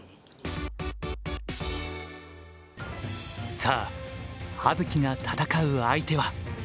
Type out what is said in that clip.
さあ葉月が戦う相手は。